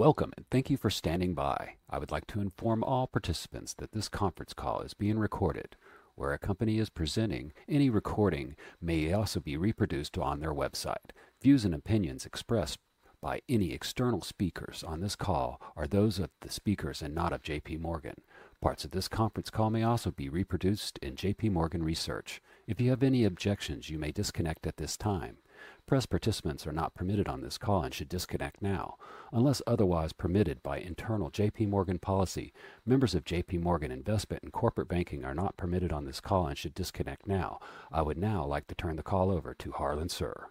Welcome, and thank you for standing by. I would like to inform all participants that this conference call is being recorded. Where a company is presenting, any recording may also be reproduced on their website. Views and opinions expressed by any external speakers on this call are those of the speakers and not of JPMorgan. Parts of this conference call may also be reproduced in JPMorgan Research. If you have any objections, you may disconnect at this time. Press participants are not permitted on this call and should disconnect now unless otherwise permitted by internal JPMorgan policy. Members of JPMorgan Investment and Corporate Banking are not permitted on this call and should disconnect now. I would now like to turn the call over to Harlan Sur.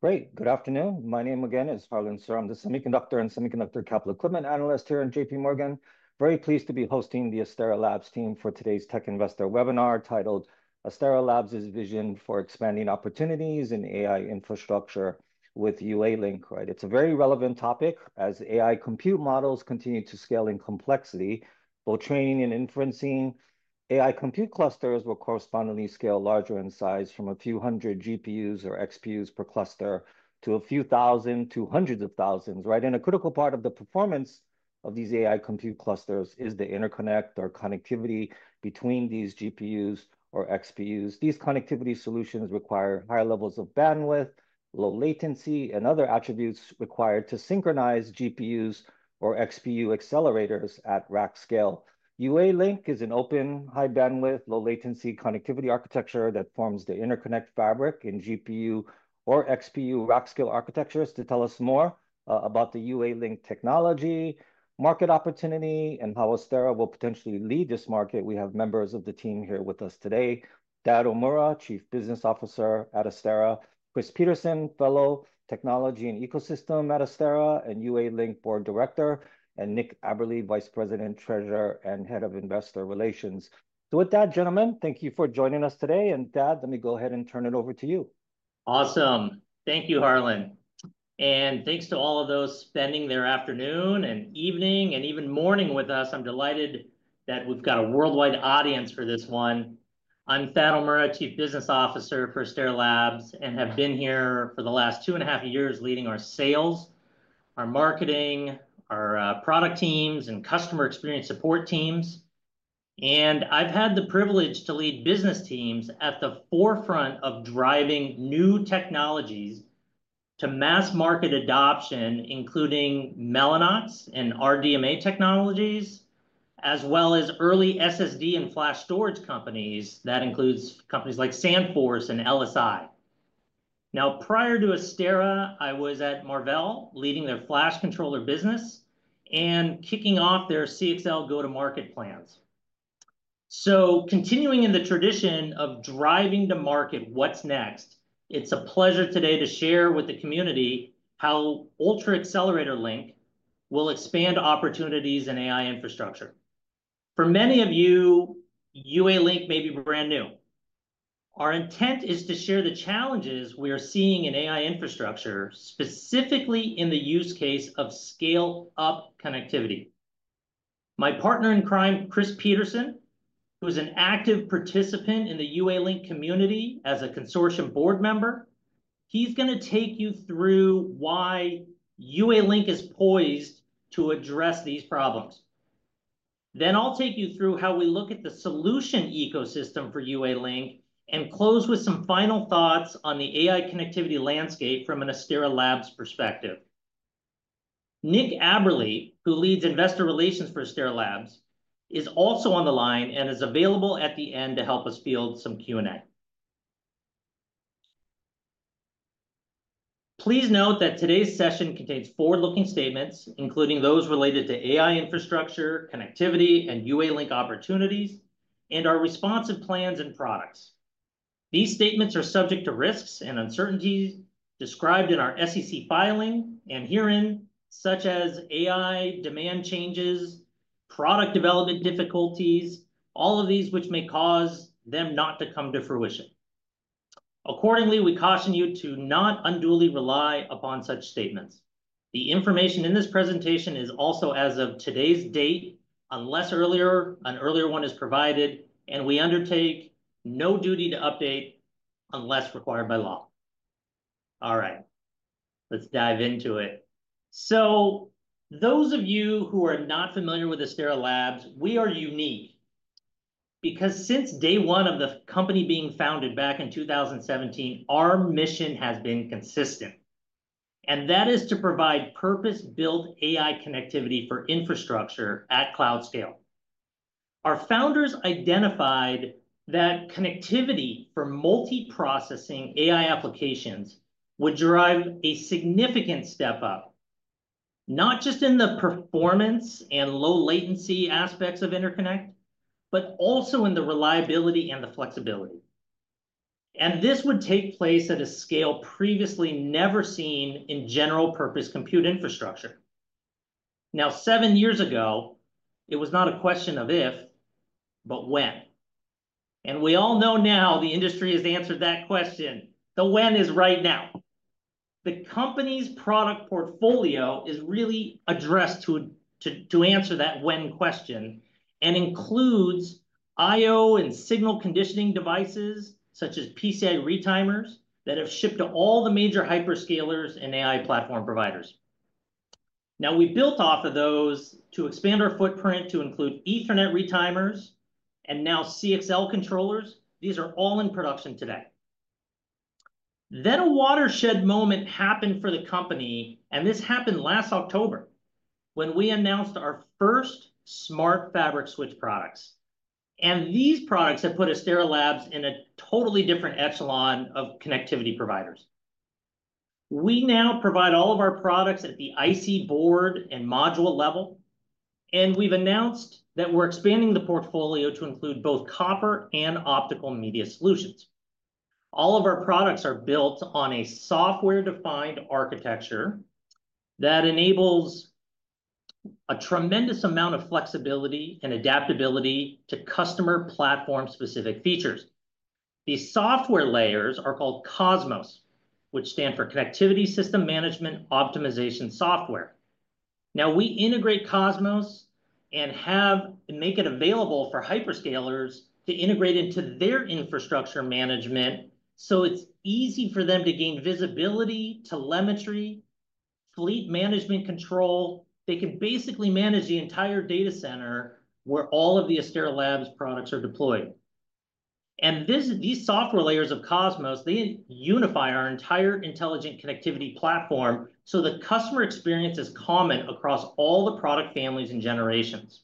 Great. Good afternoon. My name again is Harlan Sur. I'm the semiconductor and semiconductor capital equipment analyst here at JPMorgan. Very pleased to be hosting the Astera Labs team for today's Tech Investor webinar titled, "Astera Labs' Vision for Expanding Opportunities in AI Infrastructure with UALink." Right. It's a very relevant topic as AI compute models continue to scale in complexity, both training and inferencing. AI compute clusters will correspondingly scale larger in size from a few hundred GPUs or XPUs per cluster to a few thousand to hundreds of thousands. Right. A critical part of the performance of these AI compute clusters is the interconnect or connectivity between these GPUs or XPUs. These connectivity solutions require high levels of bandwidth, low latency, and other attributes required to synchronize GPUs or XPU accelerators at rack scale. UALink is an open high bandwidth, low latency connectivity architecture that forms the interconnect fabric in GPU or XPU rack scale architectures. To tell us more about the UALink technology, market opportunity, and how Astera will potentially lead this market, we have members of the team here with us today: Thad Omura, Chief Business Officer at Astera; Chris Peterson, Fellow Technology and Ecosystem at Astera and UALink Board Director; and Nick Aberle, Vice President, Treasurer and Head of Investor Relations. Thank you for joining us today. Thad, let me go ahead and turn it over to you. Awesome. Thank you, Harlan. Thanks to all of those spending their afternoon and evening and even morning with us. I'm delighted that we've got a worldwide audience for this one. I'm Thad Omura, Chief Business Officer for Astera Labs, and have been here for the last two and a half years leading our sales, our marketing, our product teams, and customer experience support teams. I've had the privilege to lead business teams at the forefront of driving new technologies to mass market adoption, including Mellanox and RDMA technologies, as well as early SSD and flash storage companies. That includes companies like SandForce and LSI. Now, prior to Astera, I was at Marvell leading their flash controller business and kicking off their CXL go-to-market plans. Continuing in the tradition of driving to market, what's next? It's a pleasure today to share with the community how Ultra Accelerator Link will expand opportunities in AI infrastructure. For many of you, UALink may be brand new. Our intent is to share the challenges we are seeing in AI infrastructure, specifically in the use case of scale-up connectivity. My partner in crime, Chris Peterson, who is an active participant in the UALink community as a consortium board member, he's going to take you through why UALink is poised to address these problems. I will take you through how we look at the solution ecosystem for UALink and close with some final thoughts on the AI connectivity landscape from an Astera Labs perspective. Nick Aberle, who leads investor relations for Astera Labs, is also on the line and is available at the end to help us field some Q&A. Please note that today's session contains forward-looking statements, including those related to AI infrastructure, connectivity, and UALink opportunities, and our responsive plans and products. These statements are subject to risks and uncertainties described in our SEC filing and hearing, such as AI demand changes, product development difficulties, all of these which may cause them not to come to fruition. Accordingly, we caution you to not unduly rely upon such statements. The information in this presentation is also as of today's date, unless an earlier one is provided, and we undertake no duty to update unless required by law. All right, let's dive into it. Those of you who are not familiar with Astera Labs, we are unique because since day one of the company being founded back in 2017, our mission has been consistent, and that is to provide purpose-built AI connectivity for infrastructure at cloud scale. Our founders identified that connectivity for multi-processing AI applications would drive a significant step up, not just in the performance and low latency aspects of interconnect, but also in the reliability and the flexibility. This would take place at a scale previously never seen in general purpose compute infrastructure. Now, seven years ago, it was not a question of if, but when. We all know now the industry has answered that question. The when is right now. The company's product portfolio is really addressed to answer that when question and includes I/O and signal conditioning devices such as PCIe retimers that have shipped to all the major hyperscalers and AI platform providers. We built off of those to expand our footprint to include Ethernet retimers and now CXL controllers. These are all in production today. A watershed moment happened for the company, and this happened last October when we announced our first smart fabric switch products. These products have put Astera Labs in a totally different echelon of connectivity providers. We now provide all of our products at the IC board and module level, and we have announced that we are expanding the portfolio to include both copper and optical media solutions. All of our products are built on a software-defined architecture that enables a tremendous amount of flexibility and adaptability to customer platform-specific features. These software layers are called COSMOS, which stands for Connectivity System Management Optimization Software. Now, we integrate COSMOS and make it available for hyperscalers to integrate into their infrastructure management so it is easy for them to gain visibility, telemetry, fleet management control. They can basically manage the entire data center where all of the Astera Labs products are deployed. These software layers of COSMOS unify our entire intelligent connectivity platform so the customer experience is common across all the product families and generations.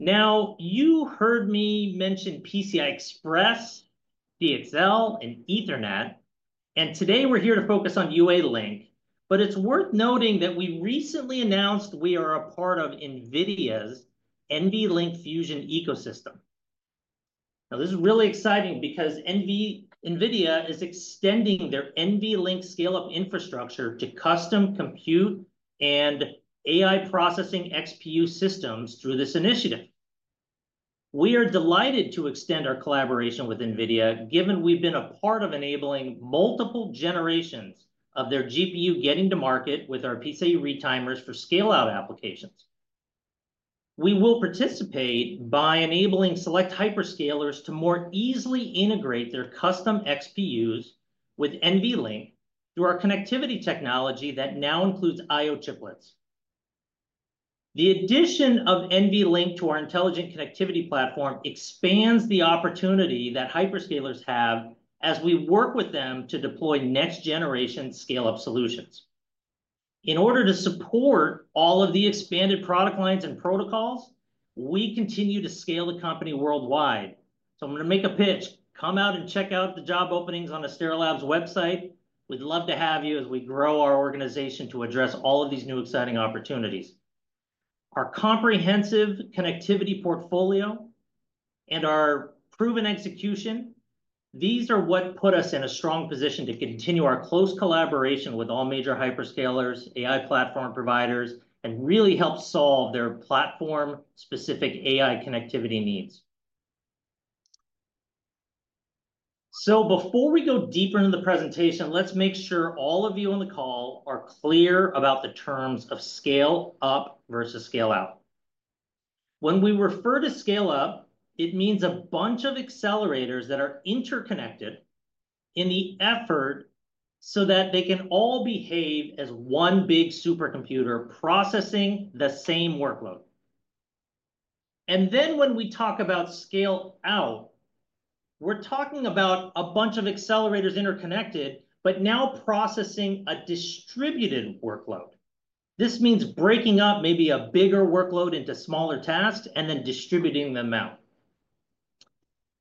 You heard me mention PCI Express, CXL, and Ethernet, and today we're here to focus on UALink, but it's worth noting that we recently announced we are a part of NVIDIA's NVLink Fusion ecosystem. This is really exciting because NVIDIA is extending their NVLink scale-up infrastructure to custom compute and AI processing XPU systems through this initiative. We are delighted to extend our collaboration with NVIDIA, given we've been a part of enabling multiple generations of their GPU getting to market with our PCIe retimers for scale-out applications. We will participate by enabling select hyperscalers to more easily integrate their custom XPUs with NVLink through our connectivity technology that now includes I/O chiplets. The addition of NVLink to our intelligent connectivity platform expands the opportunity that hyperscalers have as we work with them to deploy next-generation scale-up solutions. In order to support all of the expanded product lines and protocols, we continue to scale the company worldwide. I'm going to make a pitch. Come out and check out the job openings on Astera Labs website. We'd love to have you as we grow our organization to address all of these new exciting opportunities. Our comprehensive connectivity portfolio and our proven execution, these are what put us in a strong position to continue our close collaboration with all major hyperscalers, AI platform providers, and really help solve their platform-specific AI connectivity needs. Before we go deeper into the presentation, let's make sure all of you on the call are clear about the terms of scale-up versus scale-out. When we refer to scale-up, it means a bunch of accelerators that are interconnected in the effort so that they can all behave as one big supercomputer processing the same workload. When we talk about scale-out, we're talking about a bunch of accelerators interconnected, but now processing a distributed workload. This means breaking up maybe a bigger workload into smaller tasks and then distributing them out.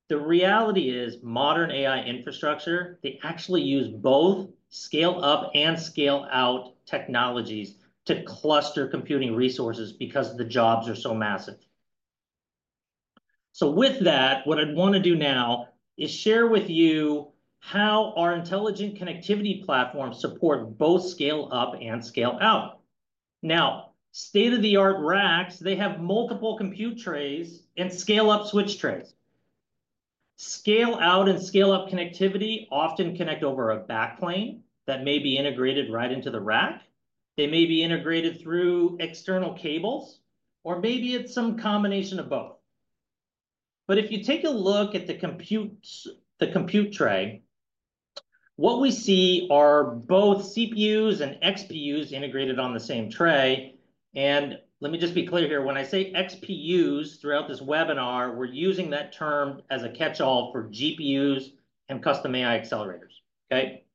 The reality is modern AI infrastructure, they actually use both scale-up and scale-out technologies to cluster computing resources because the jobs are so massive. With that, what I'd want to do now is share with you how our intelligent connectivity platforms support both scale-up and scale-out. Now, state-of-the-art racks, they have multiple compute trays and scale-up switch trays. Scale-out and scale-up connectivity often connect over a backplane that may be integrated right into the rack. They may be integrated through external cables, or maybe it's some combination of both. If you take a look at the compute tray, what we see are both CPUs and XPUs integrated on the same tray. Let me just be clear here. When I say XPUs throughout this webinar, we're using that term as a catch-all for GPUs and custom AI accelerators. Okay.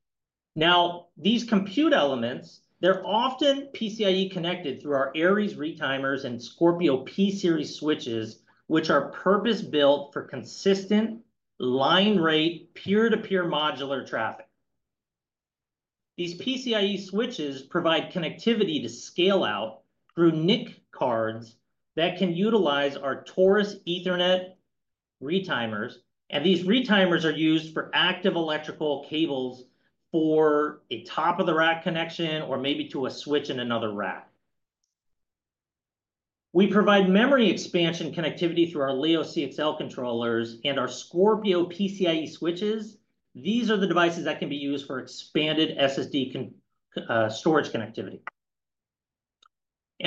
Now, these compute elements, they're often PCIe connected through our Aries retimers and Scorpio P Series switches, which are purpose-built for consistent line rate, peer-to-peer modular traffic. These PCIe switches provide connectivity to scale-out through NIC cards that can utilize our Taurus Ethernet retimers. These retimers are used for active electrical cables for a top-of-the-rack connection or maybe to a switch in another rack. We provide memory expansion connectivity through our Leo CXL controllers and our Scorpio PCIe switches. These are the devices that can be used for expanded SSD storage connectivity.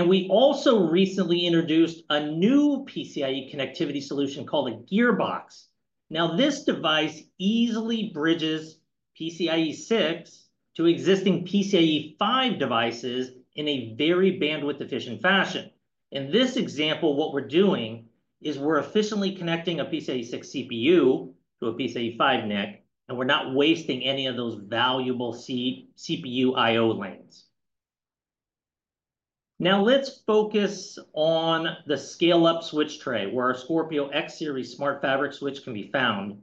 We also recently introduced a new PCIe connectivity solution called a Gearbox. This device easily bridges PCIe 6 to existing PCIe 5 devices in a very bandwidth-efficient fashion. In this example, what we're doing is we're efficiently connecting a PCIe 6 CPU to a PCIe 5 NIC, and we're not wasting any of those valuable CPU I/O lanes. Now, let's focus on the scale-up switch tray where our Scorpio X Series smart fabric switch can be found.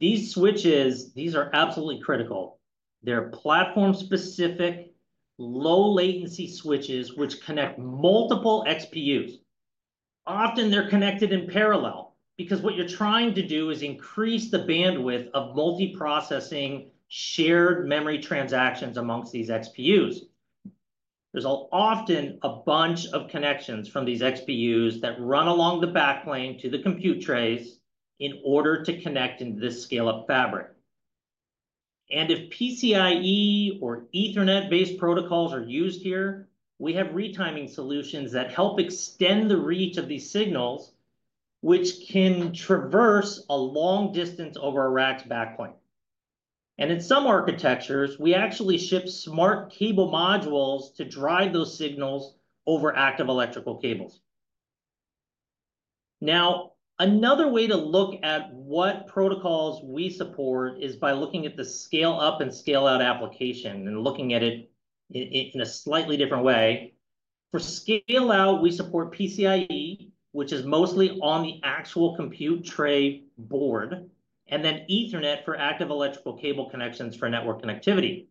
These switches, these are absolutely critical. They're platform-specific, low-latency switches which connect multiple XPUs. Often, they're connected in parallel because what you're trying to do is increase the bandwidth of multi-processing shared memory transactions amongst these XPUs. There's often a bunch of connections from these XPUs that run along the backplane to the compute trays in order to connect into this scale-up fabric. If PCIe or Ethernet-based protocols are used here, we have retiming solutions that help extend the reach of these signals, which can traverse a long distance over a rack's backplane. In some architectures, we actually ship smart cable modules to drive those signals over active electrical cables. Another way to look at what protocols we support is by looking at the scale-up and scale-out application and looking at it in a slightly different way. For scale-out, we support PCIe, which is mostly on the actual compute tray board, and then Ethernet for active electrical cable connections for network connectivity.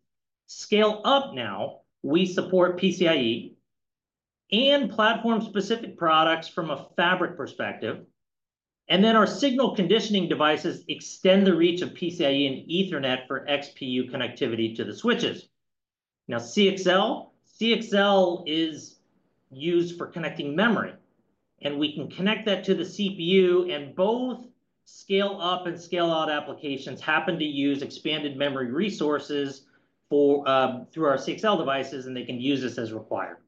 Scale-up, now we support PCIe and platform-specific products from a fabric perspective. Our signal conditioning devices extend the reach of PCIe and Ethernet for XPU connectivity to the switches. CXL is used for connecting memory, and we can connect that to the CPU, and both scale-up and scale-out applications happen to use expanded memory resources through our CXL devices, and they can use this as required.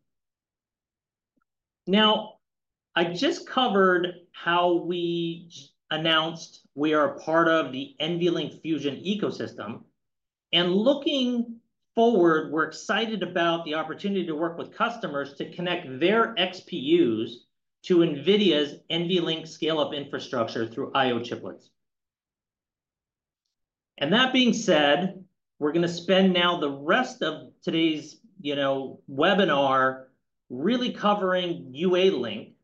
I just covered how we announced we are a part of the NVLink Fusion ecosystem. Looking forward, we're excited about the opportunity to work with customers to connect their XPUs to NVIDIA's NVLink scale-up infrastructure through I/O chiplets. That being said, we're going to spend now the rest of today's webinar really covering UALink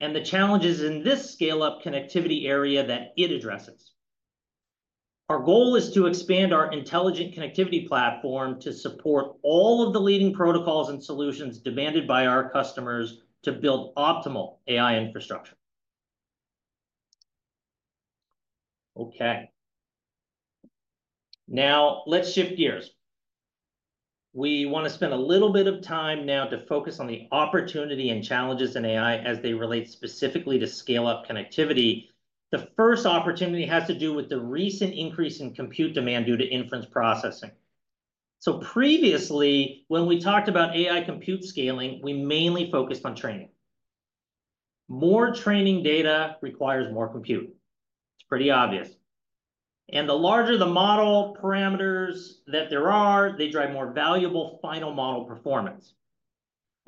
and the challenges in this scale-up connectivity area that it addresses. Our goal is to expand our intelligent connectivity platform to support all of the leading protocols and solutions demanded by our customers to build optimal AI infrastructure. Okay. Now, let's shift gears. We want to spend a little bit of time now to focus on the opportunity and challenges in AI as they relate specifically to scale-up connectivity. The first opportunity has to do with the recent increase in compute demand due to inference processing. Previously, when we talked about AI compute scaling, we mainly focused on training. More training data requires more compute. It's pretty obvious. The larger the model parameters that there are, they drive more valuable final model performance.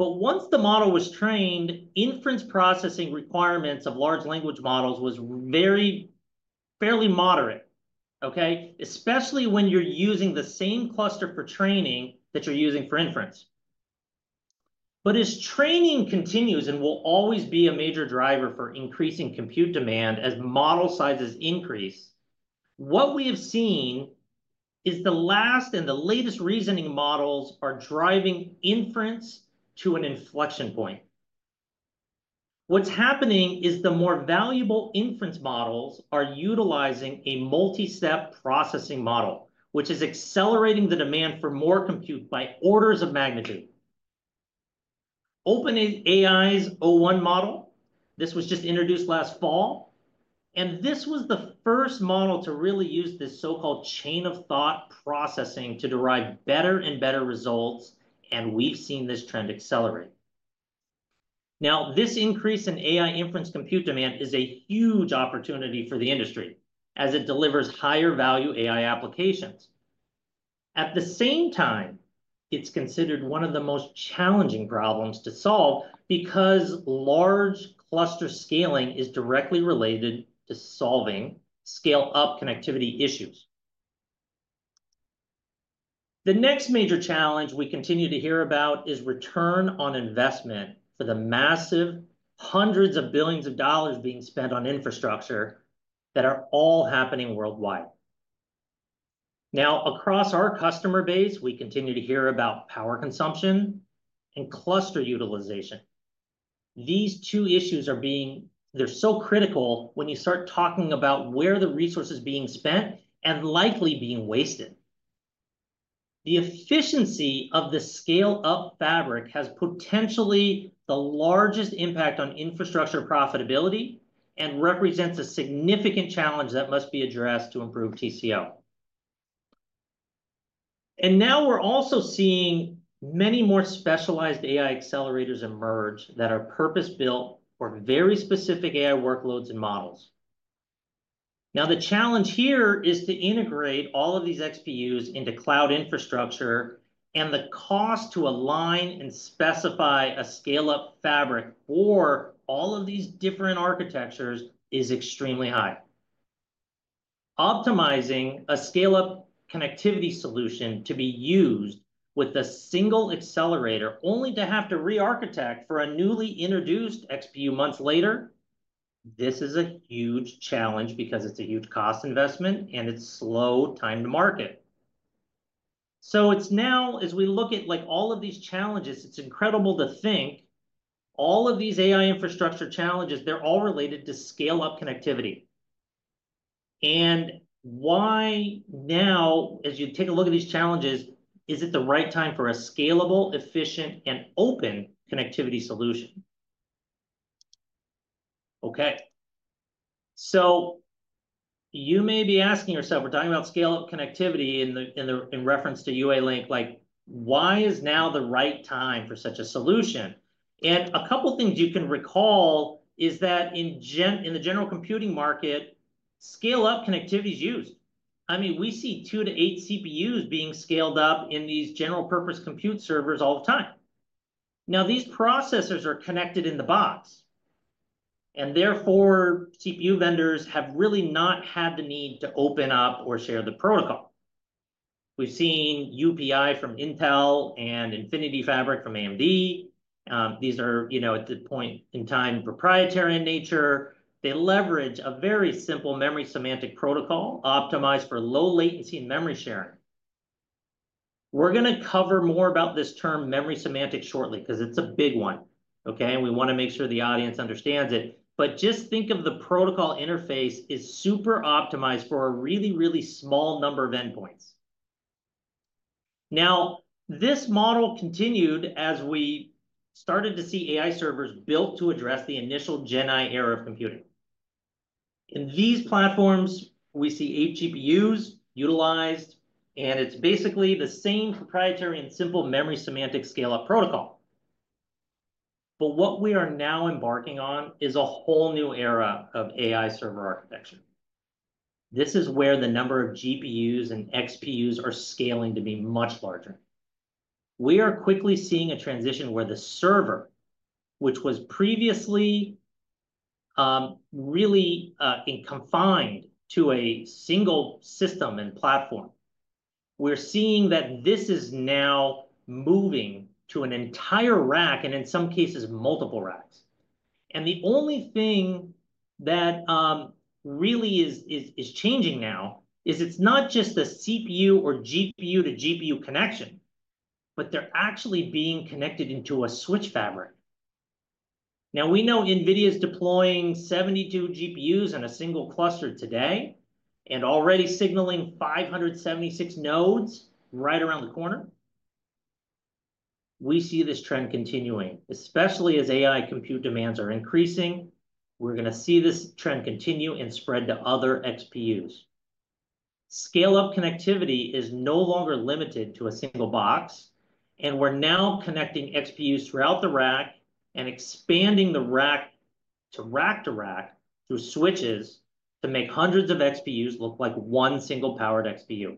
Once the model was trained, inference processing requirements of large language models were very fairly moderate, okay? Especially when you're using the same cluster for training that you're using for inference. As training continues and will always be a major driver for increasing compute demand as model sizes increase, what we have seen is the last and the latest reasoning models are driving inference to an inflection point. What's happening is the more valuable inference models are utilizing a multi-step processing model, which is accelerating the demand for more compute by orders of magnitude. OpenAI's O1 model, this was just introduced last fall, and this was the first model to really use this so-called chain-of-thought processing to derive better and better results, and we've seen this trend accelerate. Now, this increase in AI inference compute demand is a huge opportunity for the industry as it delivers higher-value AI applications. At the same time, it's considered one of the most challenging problems to solve because large cluster scaling is directly related to solving scale-up connectivity issues. The next major challenge we continue to hear about is return on investment for the massive hundreds of billions of dollars being spent on infrastructure that are all happening worldwide. Now, across our customer base, we continue to hear about power consumption and cluster utilization. These two issues are being—they're so critical when you start talking about where the resource is being spent and likely being wasted. The efficiency of the scale-up fabric has potentially the largest impact on infrastructure profitability and represents a significant challenge that must be addressed to improve TCO. Now we're also seeing many more specialized AI accelerators emerge that are purpose-built for very specific AI workloads and models. The challenge here is to integrate all of these XPUs into cloud infrastructure, and the cost to align and specify a scale-up fabric for all of these different architectures is extremely high. Optimizing a scale-up connectivity solution to be used with a single accelerator only to have to re-architect for a newly introduced XPU months later, this is a huge challenge because it's a huge cost investment and it's slow time to market. Now, as we look at all of these challenges, it's incredible to think all of these AI infrastructure challenges, they're all related to scale-up connectivity. Why now, as you take a look at these challenges, is it the right time for a scalable, efficient, and open connectivity solution? Okay. You may be asking yourself, we're talking about scale-up connectivity in reference to UALink, like why is now the right time for such a solution? A couple of things you can recall is that in the general computing market, scale-up connectivity is used. I mean, we see two to eight CPUs being scaled up in these general-purpose compute servers all the time. Now, these processors are connected in the box, and therefore CPU vendors have really not had the need to open up or share the protocol. We've seen UPI from Intel and Infinity Fabric from AMD. These are, at this point in time, proprietary in nature. They leverage a very simple memory semantic protocol optimized for low latency and memory sharing. We're going to cover more about this term memory semantic shortly because it's a big one. Okay? We want to make sure the audience understands it. Just think of the protocol interface as super optimized for a really, really small number of endpoints. Now, this model continued as we started to see AI servers built to address the initial Gen AI era of computing. In these platforms, we see eight GPUs utilized, and it's basically the same proprietary and simple memory semantic scale-up protocol. What we are now embarking on is a whole new era of AI server architecture. This is where the number of GPUs and XPUs are scaling to be much larger. We are quickly seeing a transition where the server, which was previously really confined to a single system and platform, we're seeing that this is now moving to an entire rack and in some cases, multiple racks. The only thing that really is changing now is it's not just a CPU or GPU to GPU connection, but they're actually being connected into a switch fabric. We know NVIDIA is deploying 72 GPUs in a single cluster today and already signaling 576 nodes right around the corner. We see this trend continuing, especially as AI compute demands are increasing. We're going to see this trend continue and spread to other XPUs. Scale-up connectivity is no longer limited to a single box, and we're now connecting XPUs throughout the rack and expanding the rack-to-rack-to rack through switches to make hundreds of XPUs look like one single powered XPU.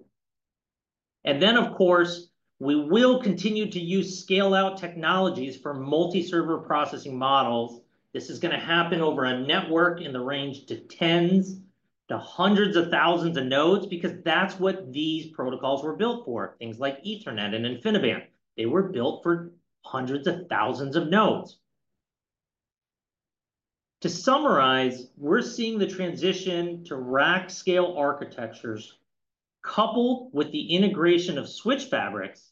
Of course, we will continue to use scale-out technologies for multi-server processing models. This is going to happen over a network in the range of tens to hundreds of thousands of nodes because that's what these protocols were built for. Things like Ethernet and InfiniBand, they were built for hundreds of thousands of nodes. To summarize, we're seeing the transition to rack scale architectures coupled with the integration of switch fabrics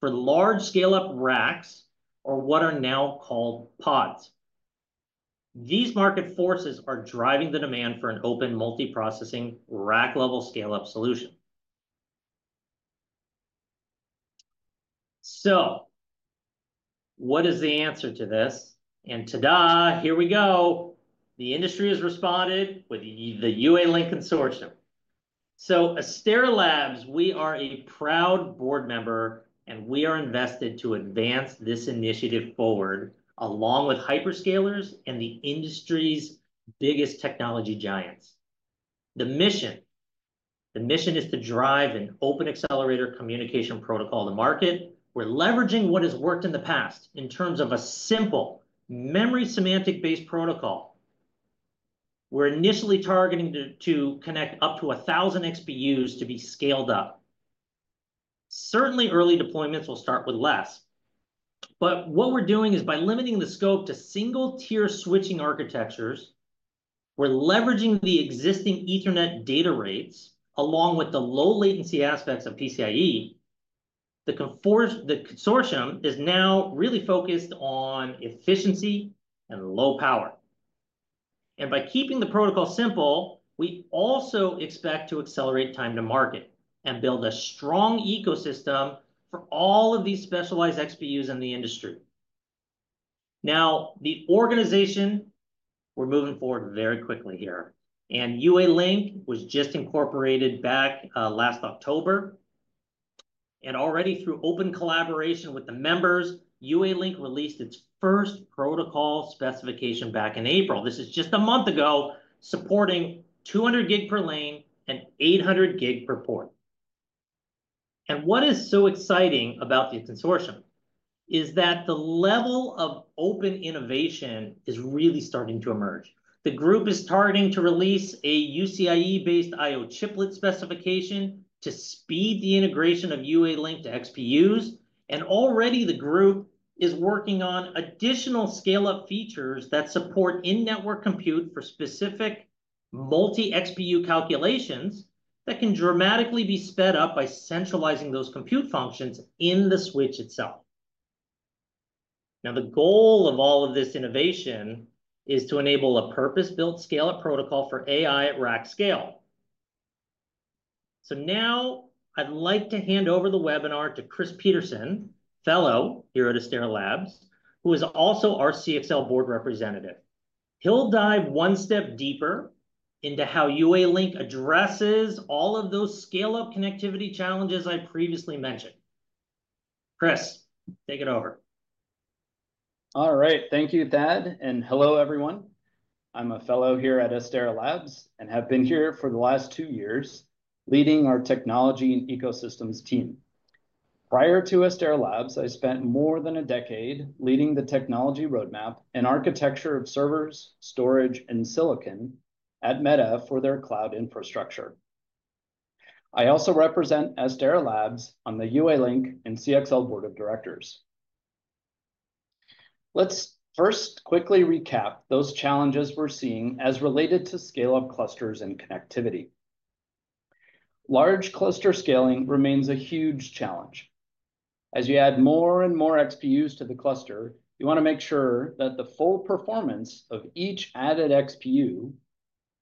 for large scale-up racks or what are now called pods. These market forces are driving the demand for an open multi-processing rack-level scale-up solution. What is the answer to this? Ta-da, here we go. The industry has responded with the UALink Consortium. At Astera Labs, we are a proud board member, and we are invested to advance this initiative forward along with hyperscalers and the industry's biggest technology giants. The mission is to drive an open accelerator communication protocol to market. We're leveraging what has worked in the past in terms of a simple memory semantic-based protocol. We're initially targeting to connect up to 1,000 XPUs to be scaled up. Certainly, early deployments will start with less. What we're doing is by limiting the scope to single-tier switching architectures, we're leveraging the existing Ethernet data rates along with the low-latency aspects of PCIe. The consortium is now really focused on efficiency and low power. By keeping the protocol simple, we also expect to accelerate time to market and build a strong ecosystem for all of these specialized XPUs in the industry. The organization is moving forward very quickly here. UALink was just incorporated back last October. Already, through open collaboration with the members, UALink released its first protocol specification back in April. This is just a month ago, supporting 200 gig per lane and 800 gig per port. What is so exciting about the consortium is that the level of open innovation is really starting to emerge. The group is targeting to release a UCIe-based I/O chiplet specification to speed the integration of UALink to XPUs. Already, the group is working on additional scale-up features that support in-network compute for specific multi-XPU calculations that can dramatically be sped up by centralizing those compute functions in the switch itself. Now, the goal of all of this innovation is to enable a purpose-built scale-up protocol for AI at rack scale. Now I'd like to hand over the webinar to Chris Peterson, fellow here at Astera Labs, who is also our CXL board representative. He'll dive one step deeper into how UALink addresses all of those scale-up connectivity challenges I previously mentioned. Chris, take it over. All right. Thank you, Thad. And hello, everyone. I'm a fellow here at Astera Labs and have been here for the last two years leading our technology and ecosystems team. Prior to Astera Labs, I spent more than a decade leading the technology roadmap and architecture of servers, storage, and silicon at Meta for their cloud infrastructure. I also represent Astera Labs on the UALink and CXL board of directors. Let's first quickly recap those challenges we're seeing as related to scale-up clusters and connectivity. Large cluster scaling remains a huge challenge. As you add more and more XPUs to the cluster, you want to make sure that the full performance of each added XPU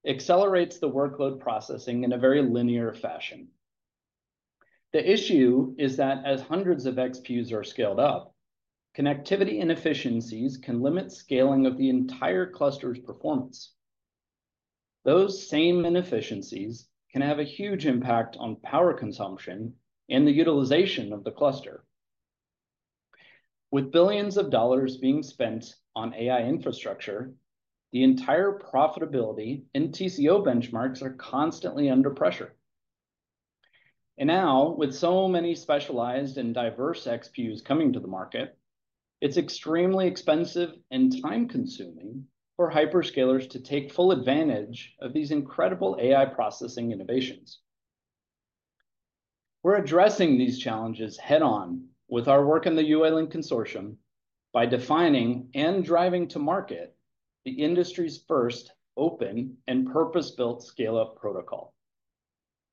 accelerates the workload processing in a very linear fashion. The issue is that as hundreds of XPUs are scaled up, connectivity inefficiencies can limit scaling of the entire cluster's performance. Those same inefficiencies can have a huge impact on power consumption and the utilization of the cluster. With billions of dollars being spent on AI infrastructure, the entire profitability and TCO benchmarks are constantly under pressure. Now, with so many specialized and diverse XPUs coming to the market, it's extremely expensive and time-consuming for hyperscalers to take full advantage of these incredible AI processing innovations. We're addressing these challenges head-on with our work in the UALink Consortium by defining and driving to market the industry's first open and purpose-built scale-up protocol.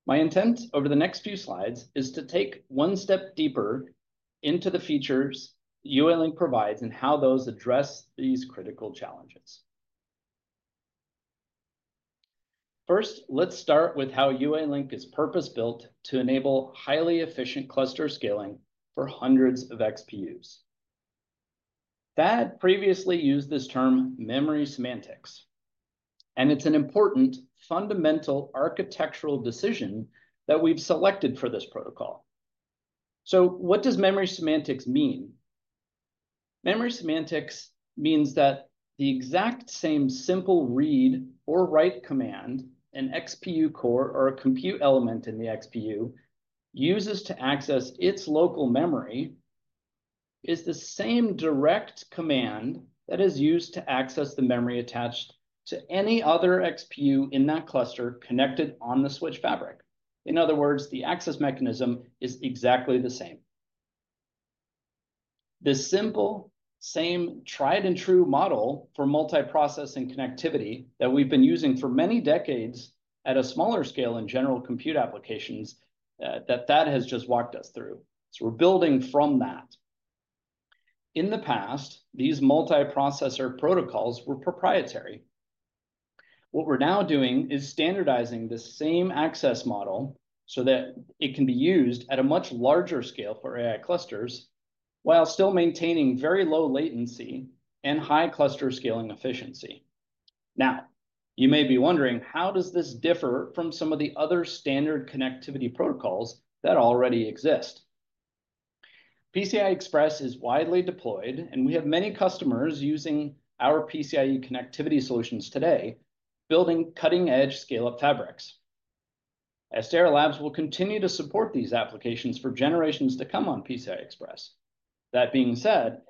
My intent over the next few slides is to take one step deeper into the features UALink provides and how those address these critical challenges. First, let's start with how UALink is purpose-built to enable highly efficient cluster scaling for hundreds of XPUs. Thad previously used this term memory semantics, and it's an important fundamental architectural decision that we've selected for this protocol. What does memory semantics mean? Memory semantics means that the exact same simple read or write command an XPU core or a compute element in the XPU uses to access its local memory is the same direct command that is used to access the memory attached to any other XPU in that cluster connected on the switch fabric. In other words, the access mechanism is exactly the same. The simple, same tried-and-true model for multi-processing connectivity that we've been using for many decades at a smaller scale in general compute applications that Thad has just walked us through. We are building from that. In the past, these multi-processor protocols were proprietary. What we are now doing is standardizing the same access model so that it can be used at a much larger scale for AI clusters while still maintaining very low latency and high cluster scaling efficiency. You may be wondering, how does this differ from some of the other standard connectivity protocols that already exist? PCI Express is widely deployed, and we have many customers using our PCIe connectivity solutions today, building cutting-edge scale-up fabrics. Astera Labs will continue to support these applications for generations to come on PCI Express. That being said,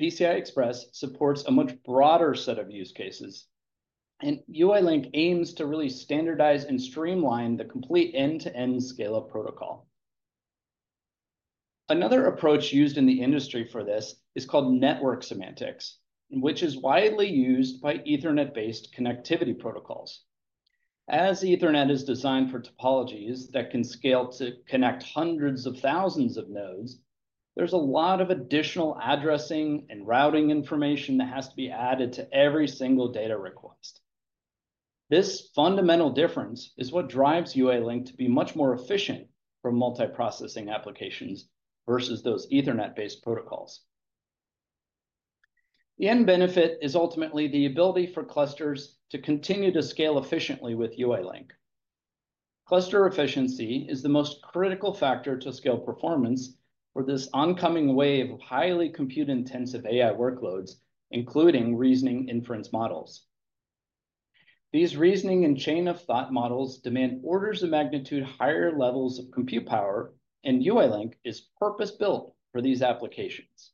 PCI Express supports a much broader set of use cases, and UALink aims to really standardize and streamline the complete end-to-end scale-up protocol. Another approach used in the industry for this is called network semantics, which is widely used by Ethernet-based connectivity protocols. As Ethernet is designed for topologies that can scale to connect hundreds of thousands of nodes, there's a lot of additional addressing and routing information that has to be added to every single data request. This fundamental difference is what drives UALink to be much more efficient for multi-processing applications versus those Ethernet-based protocols. The end benefit is ultimately the ability for clusters to continue to scale efficiently with UALink. Cluster efficiency is the most critical factor to scale performance for this oncoming wave of highly compute-intensive AI workloads, including reasoning inference models. These reasoning and chain-of-thought models demand orders of magnitude higher levels of compute power, and UALink is purpose-built for these applications.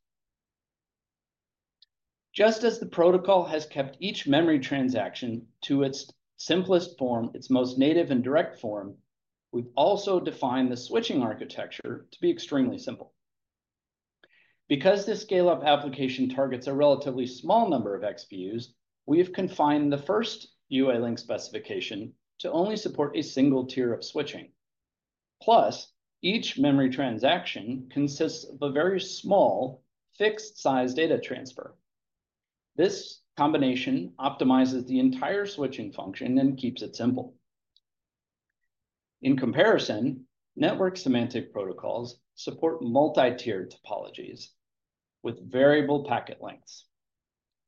Just as the protocol has kept each memory transaction to its simplest form, its most native and direct form, we've also defined the switching architecture to be extremely simple. Because this scale-up application targets a relatively small number of XPUs, we have confined the first UALink specification to only support a single tier of switching. Plus, each memory transaction consists of a very small fixed-size data transfer. This combination optimizes the entire switching function and keeps it simple. In comparison, network semantic protocols support multi-tiered topologies with variable packet lengths.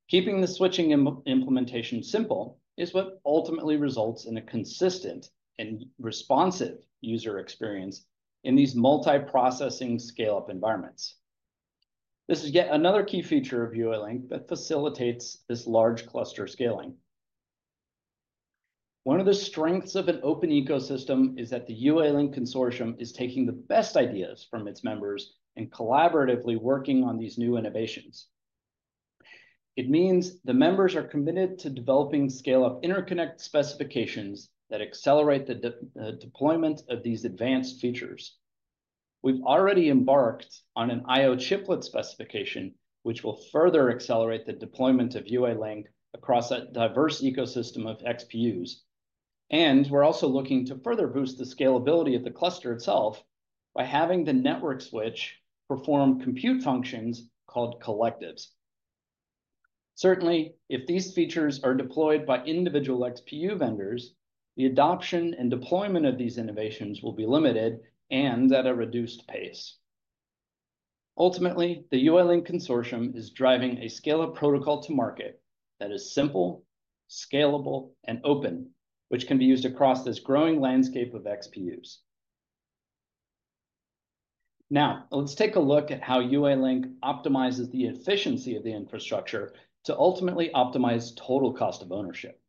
Keeping the switching implementation simple is what ultimately results in a consistent and responsive user experience in these multi-processing scale-up environments. This is yet another key feature of UALink that facilitates this large cluster scaling. One of the strengths of an open ecosystem is that the UALink Consortium is taking the best ideas from its members and collaboratively working on these new innovations. It means the members are committed to developing scale-up interconnect specifications that accelerate the deployment of these advanced features. We've already embarked on an I/O chiplet specification, which will further accelerate the deployment of UALink across a diverse ecosystem of XPUs. We're also looking to further boost the scalability of the cluster itself by having the network switch perform compute functions called collectives. Certainly, if these features are deployed by individual XPU vendors, the adoption and deployment of these innovations will be limited and at a reduced pace. Ultimately, the UALink Consortium is driving a scale-up protocol to market that is simple, scalable, and open, which can be used across this growing landscape of XPUs. Now, let's take a look at how UALink optimizes the efficiency of the infrastructure to ultimately optimize total cost of ownership.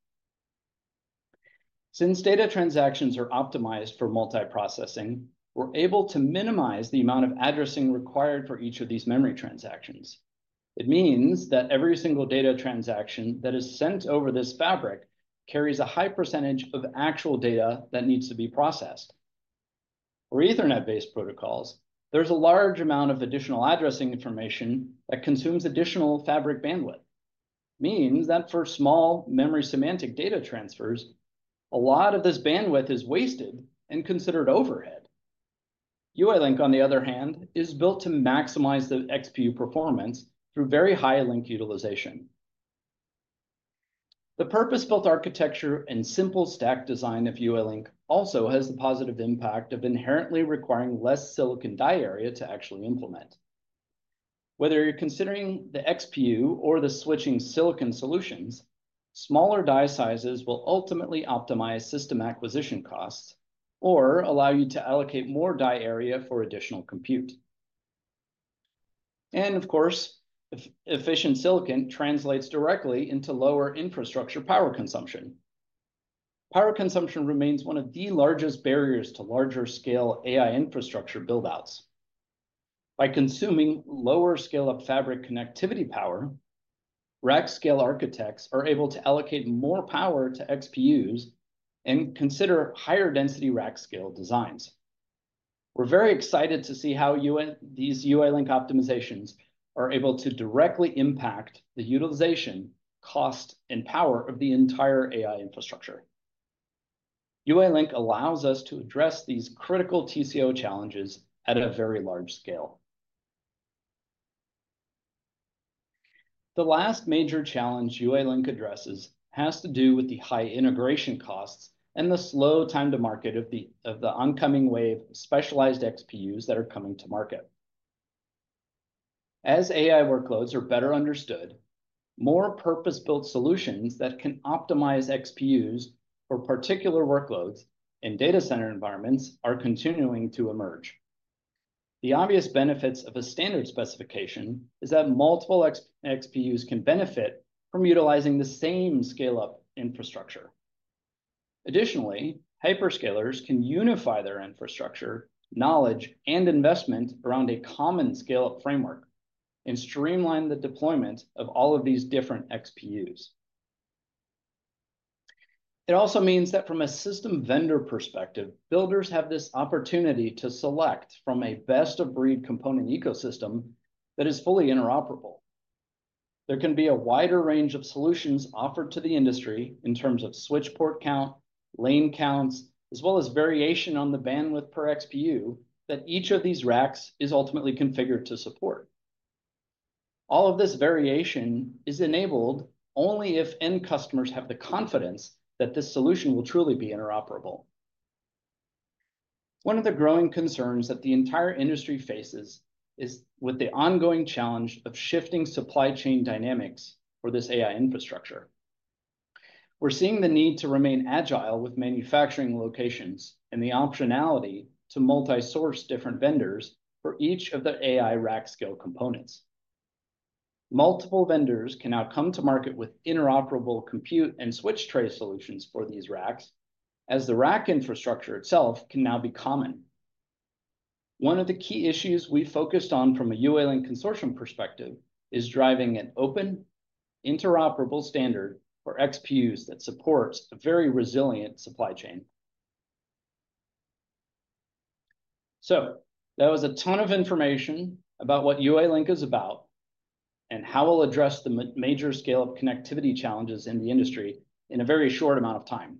Since data transactions are optimized for multi-processing, we're able to minimize the amount of addressing required for each of these memory transactions. It means that every single data transaction that is sent over this fabric carries a high percentage of actual data that needs to be processed. For Ethernet-based protocols, there's a large amount of additional addressing information that consumes additional fabric bandwidth. It means that for small memory semantic data transfers, a lot of this bandwidth is wasted and considered overhead. UALink, on the other hand, is built to maximize the XPU performance through very high link utilization. The purpose-built architecture and simple stack design of UALink also has the positive impact of inherently requiring less silicon die area to actually implement. Whether you're considering the XPU or the switching silicon solutions, smaller die sizes will ultimately optimize system acquisition costs or allow you to allocate more die area for additional compute. Of course, efficient silicon translates directly into lower infrastructure power consumption. Power consumption remains one of the largest barriers to larger scale AI infrastructure buildouts. By consuming lower scale-up fabric connectivity power, rack scale architects are able to allocate more power to XPUs and consider higher density rack scale designs. We're very excited to see how these UALink optimizations are able to directly impact the utilization, cost, and power of the entire AI infrastructure. UALink allows us to address these critical TCO challenges at a very large scale. The last major challenge UALink addresses has to do with the high integration costs and the slow time to market of the oncoming wave of specialized XPUs that are coming to market. As AI workloads are better understood, more purpose-built solutions that can optimize XPUs for particular workloads and data center environments are continuing to emerge. The obvious benefits of a standard specification is that multiple XPUs can benefit from utilizing the same scale-up infrastructure. Additionally, hyperscalers can unify their infrastructure, knowledge, and investment around a common scale-up framework and streamline the deployment of all of these different XPUs. It also means that from a system vendor perspective, builders have this opportunity to select from a best-of-breed component ecosystem that is fully interoperable. There can be a wider range of solutions offered to the industry in terms of switch port count, lane counts, as well as variation on the bandwidth per XPU that each of these racks is ultimately configured to support. All of this variation is enabled only if end customers have the confidence that this solution will truly be interoperable. One of the growing concerns that the entire industry faces is with the ongoing challenge of shifting supply chain dynamics for this AI infrastructure. We're seeing the need to remain agile with manufacturing locations and the optionality to multi-source different vendors for each of the AI rack scale components. Multiple vendors can now come to market with interoperable compute and switch tray solutions for these racks, as the rack infrastructure itself can now be common. One of the key issues we focused on from a UALink Consortium perspective is driving an open, interoperable standard for XPUs that supports a very resilient supply chain. That was a ton of information about what UALink is about and how we'll address the major scale-up connectivity challenges in the industry in a very short amount of time.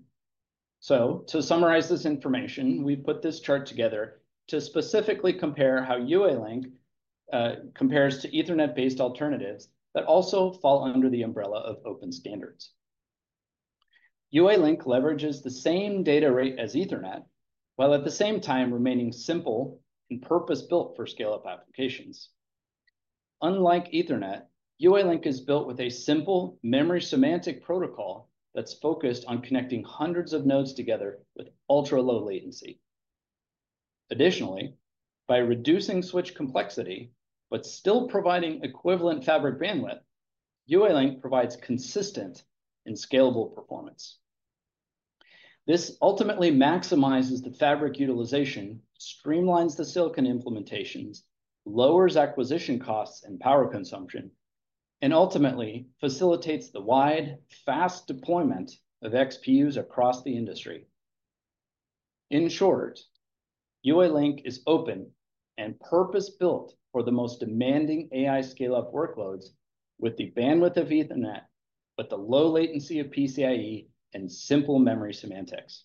To summarize this information, we've put this chart together to specifically compare how UALink compares to Ethernet-based alternatives that also fall under the umbrella of open standards. UALink leverages the same data rate as Ethernet, while at the same time remaining simple and purpose-built for scale-up applications. Unlike Ethernet, UALink is built with a simple memory semantic protocol that's focused on connecting hundreds of nodes together with ultra-low latency. Additionally, by reducing switch complexity but still providing equivalent fabric bandwidth, UALink provides consistent and scalable performance. This ultimately maximizes the fabric utilization, streamlines the silicon implementations, lowers acquisition costs and power consumption, and ultimately facilitates the wide, fast deployment of XPUs across the industry. In short, UALink is open and purpose-built for the most demanding AI scale-up workloads with the bandwidth of Ethernet, but the low latency of PCIe and simple memory semantics.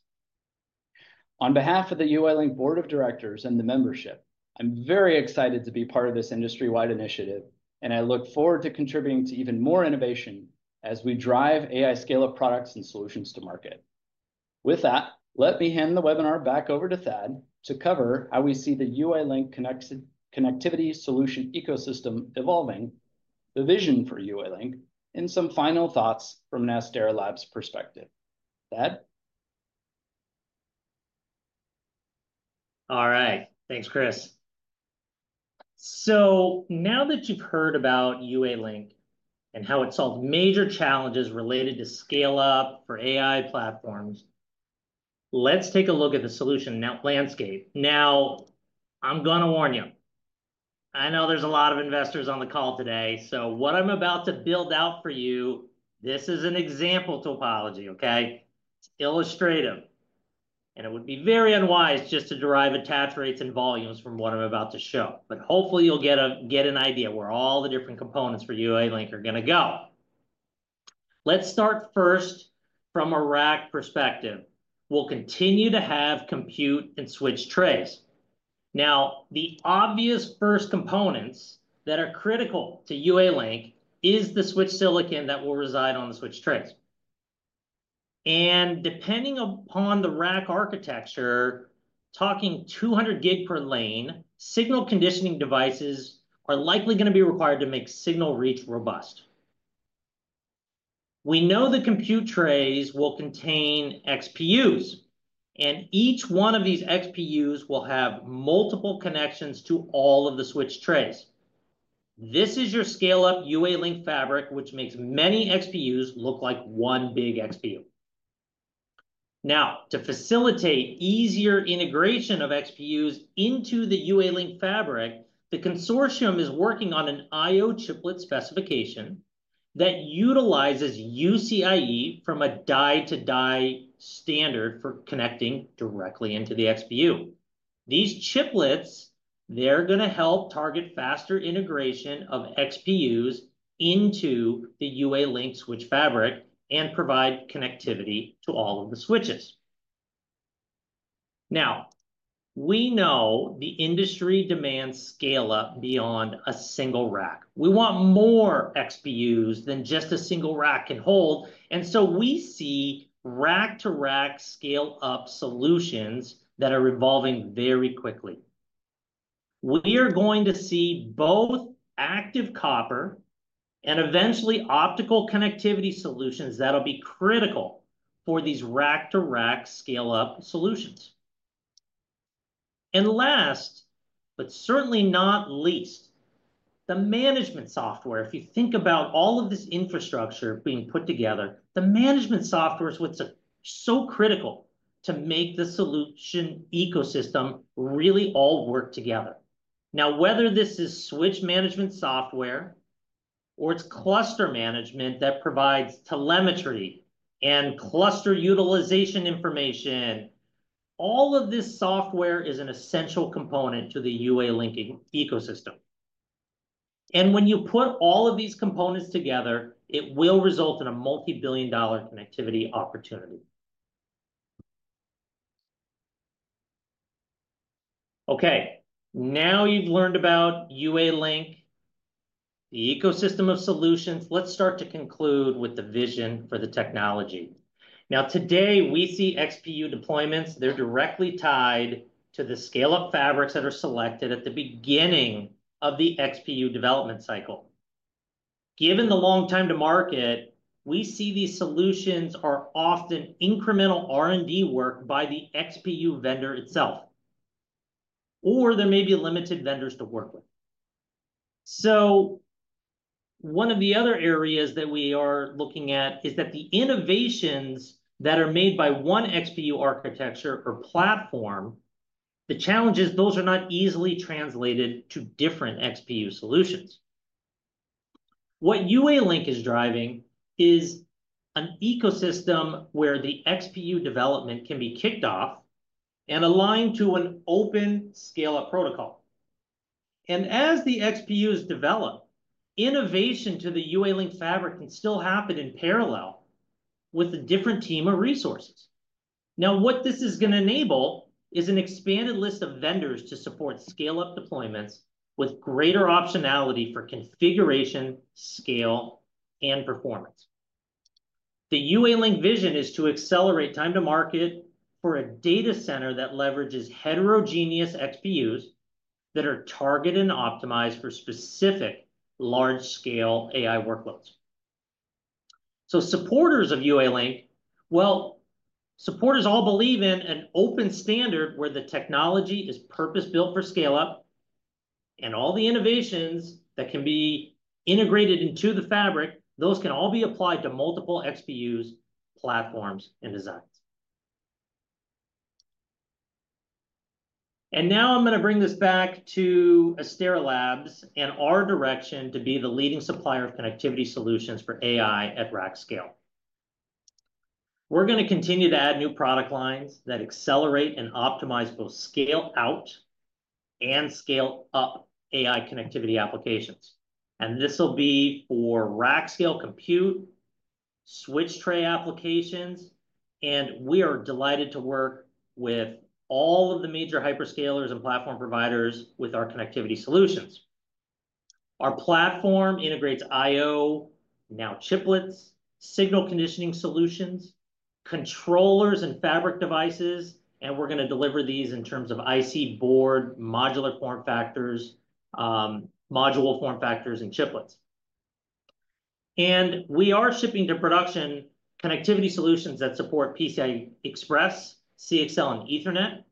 On behalf of the UALink Board of Directors and the membership, I'm very excited to be part of this industry-wide initiative, and I look forward to contributing to even more innovation as we drive AI scale-up products and solutions to market. With that, let me hand the webinar back over to Thad to cover how we see the UALink connectivity solution ecosystem evolving, the vision for UALink, and some final thoughts from Astera Labs' perspective. Thad? All right. Thanks, Chris. Now that you've heard about UALink and how it solved major challenges related to scale-up for AI platforms, let's take a look at the solution landscape. I'm going to warn you. I know there's a lot of investors on the call today. What I'm about to build out for you, this is an example topology, okay? It's illustrative. It would be very unwise just to derive attach rates and volumes from what I'm about to show. Hopefully you'll get an idea where all the different components for UALink are going to go. Let's start first from a rack perspective. We'll continue to have compute and switch trays. The obvious first components that are critical to UALink is the switch silicon that will reside on the switch trays. Depending upon the rack architecture, talking 200 gig per lane, signal conditioning devices are likely going to be required to make signal reach robust. We know the compute trays will contain XPUs, and each one of these XPUs will have multiple connections to all of the switch trays. This is your scale-up UALink fabric, which makes many XPUs look like one big XPU. Now, to facilitate easier integration of XPUs into the UALink fabric, the Consortium is working on an I/O chiplet specification that utilizes UCIe from a die-to-die standard for connecting directly into the XPU. These chiplets, they're going to help target faster integration of XPUs into the UALink switch fabric and provide connectivity to all of the switches. Now, we know the industry demands scale-up beyond a single rack. We want more XPUs than just a single rack can hold. We see rack-to-rack scale-up solutions that are evolving very quickly. We are going to see both active copper and eventually optical connectivity solutions that will be critical for these rack-to-rack scale-up solutions. Last, but certainly not least, the management software. If you think about all of this infrastructure being put together, the management software is what's so critical to make the solution ecosystem really all work together. Now, whether this is switch management software or it's cluster management that provides telemetry and cluster utilization information, all of this software is an essential component to the UALink ecosystem. When you put all of these components together, it will result in a multi-billion dollar connectivity opportunity. Okay. Now you've learned about UALink, the ecosystem of solutions. Let's start to conclude with the vision for the technology. Now, today we see XPU deployments. They're directly tied to the scale-up fabrics that are selected at the beginning of the XPU development cycle. Given the long time to market, we see these solutions are often incremental R&D work by the XPU vendor itself, or there may be limited vendors to work with. One of the other areas that we are looking at is that the innovations that are made by one XPU architecture or platform, the challenges, those are not easily translated to different XPU solutions. What UALink is driving is an ecosystem where the XPU development can be kicked off and aligned to an open scale-up protocol. As the XPUs develop, innovation to the UALink fabric can still happen in parallel with a different team of resources. What this is going to enable is an expanded list of vendors to support scale-up deployments with greater optionality for configuration, scale, and performance. The UALink vision is to accelerate time to market for a data center that leverages heterogeneous XPUs that are targeted and optimized for specific large-scale AI workloads. Supporters of UALink, well, supporters all believe in an open standard where the technology is purpose-built for scale-up, and all the innovations that can be integrated into the fabric, those can all be applied to multiple XPUs, platforms, and designs. Now I'm going to bring this back to Astera Labs and our direction to be the leading supplier of connectivity solutions for AI at rack scale. We're going to continue to add new product lines that accelerate and optimize both scale-out and scale-up AI connectivity applications. This will be for rack scale compute, switch tray applications, and we are delighted to work with all of the major hyperscalers and platform providers with our connectivity solutions. Our platform integrates I/O, now chiplets, signal conditioning solutions, controllers, and fabric devices, and we're going to deliver these in terms of IC board, modular form factors, module form factors, and chiplets. We are shipping to production connectivity solutions that support PCIe, CXL, and Ethernet.